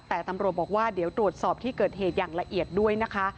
แต่ตำรวจบอกว่าเดี๋ยวตรวจสอบที่เกิดเหตุอย่างละเอียดด้วยนะคะ